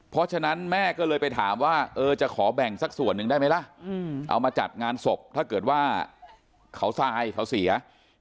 เพราะฉะนั้นแม่ก็เลยไปถามว่าเออจะขอแบ่งสักส่วนหนึ่งได้ไหมล่ะเอามาจัดงานศพถ้าเกิดว่าเขาทรายเขาเสีย